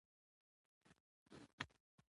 افغانستان د کندهار له امله شهرت لري.